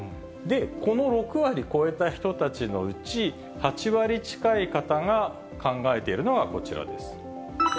この６割超えた人たちのうち、８割近い方が考えているのがこちらです。